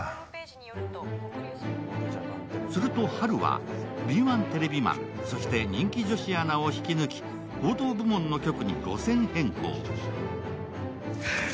するとハルは敏腕テレビマンそして人気女子アナを引き抜き報道部門の局に路線変更。